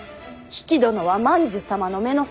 比企殿は万寿様の乳母。